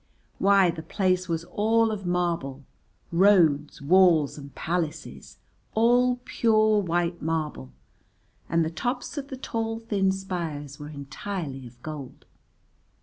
Why, the place was all of marble, roads, walls and palaces, all pure white marble, and the tops of the tall thin spires were entirely of gold.